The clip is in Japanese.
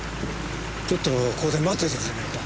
ちょっとここで待っててくれないか。